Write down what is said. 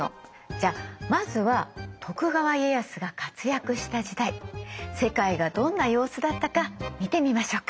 じゃあまずは徳川家康が活躍した時代世界がどんな様子だったか見てみましょうか。